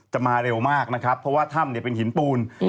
มาเร็วมากนะครับเพราะว่าถ้ำเนี่ยเป็นหินปูน